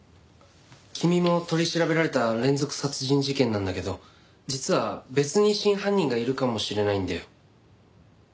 君も取り調べられた連続殺人事件なんだけど実は別に真犯人がいるかもしれないんだよ。